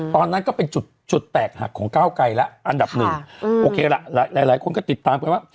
ตอนนั้นก็เป็นจุดแตกหักของก้าวไกลแล้วอันดับหนึ่งโอเคละหลายคนก็ติดตามกันว่า